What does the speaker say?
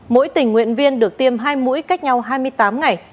mỗi tình nguyện viên được tiêm hai mũi cách nhau hai mươi tám ngày